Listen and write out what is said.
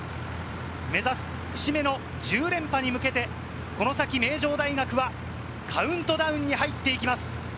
目指す節目の１０連覇に向けて、この先、名城大学はカウントダウンに入っていきます。